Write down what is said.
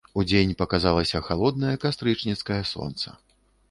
Удзень паказалася халоднае кастрычніцкае сонца.